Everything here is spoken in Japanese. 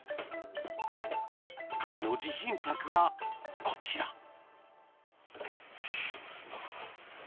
［彼の自信作がこちら］